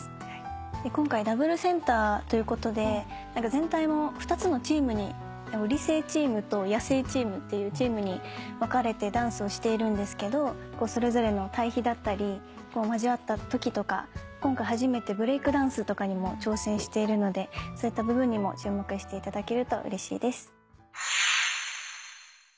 今回ダブルセンターということで全体も２つのチームに理性チームと野生チームっていうチームに分かれてダンスをしていてそれぞれの対比だったり交わったときとか今回初めてブレイクダンスとかにも挑戦しているのでそういった部分にも注目していただけるとうれしいです。